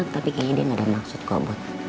tapi kayaknya dia gak ada maksud kok